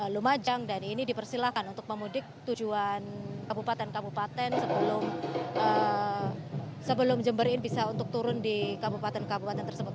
lumajang dan ini dipersilahkan untuk pemudik tujuan kabupaten kabupaten sebelum jember ini bisa untuk turun di kabupaten kabupaten tersebut